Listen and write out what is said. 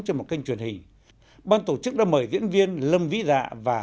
trên một kênh truyền hình ban tổ chức đã mời diễn viên lâm vĩ dạ và